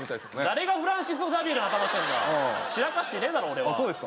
誰がフランシスコ・ザビエルの頭してんだ散らかしてねえだろ俺はあっ